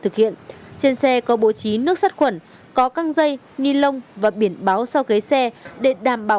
thực hiện trên xe có bộ trí nước sắt khuẩn có căng dây nilon và biển báo sau ghế xe để đảm bảo